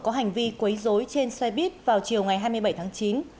có hành vi quấy dối trên xe buýt vào chiều ngày hai mươi bảy tháng chín